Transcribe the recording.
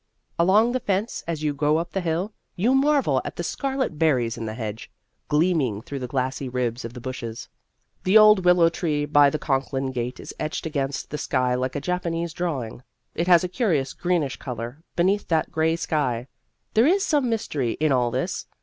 Along the fence, as you go up the hill, you marvel at the scarlet berries in the hedge, gleaming through the glassy ribs of the bushes. The old willow tree by the Conklin gate is etched against the sky like a Japanese drawing it has a curious greenish colour beneath that gray sky. There is some mystery in all this.